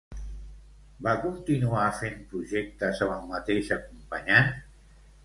Va continuar fent projectes amb el mateix acompanyant?